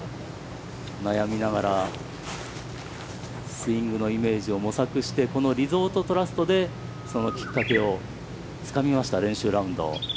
悩みながら、スイングのイメージを模索して、このリゾートトラストでそのきっかけをつかみました、練習ラウンド。